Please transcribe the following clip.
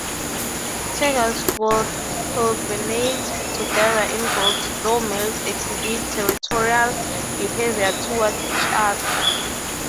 Tegus will hibernate together in groups, though males exhibit territorial behavior towards each other.